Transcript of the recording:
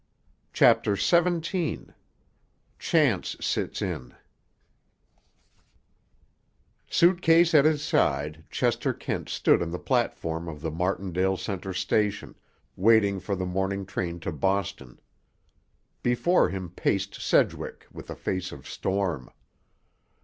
CHAPTER XVII—CHANCE SITS IN Suit case at his side, Chester Kent stood on the platform of the Martindale Center station, waiting for the morning train to Boston. Before him paced Sedgwick, with a face of storm.